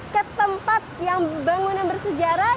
ke tempat yang bangunan bersejarah